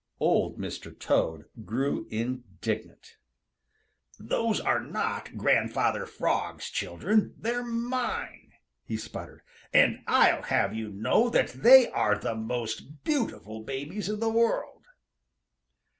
Old Mr. Toad grew indignant. "Those are not Grandfather Frog's children; they're mine!" he sputtered. "And I'll have you know that they are the most beautiful babies in th' world!"